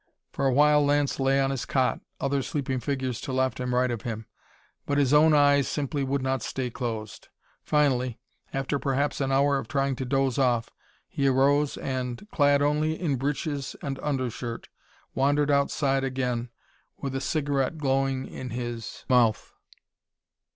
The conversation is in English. For a while Lance lay on his cot, other sleeping figures to left and right of him, but his own eyes simply would not stay closed. Finally, after perhaps an hour of trying to doze off, he arose and, clad only in breeches and undershirt, wandered outside again with a cigarette glowing in his mouth.